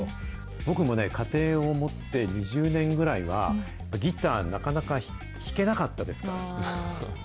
僕もね、家庭を持って２０年ぐらいは、ギター、なかなか弾けなかったですから。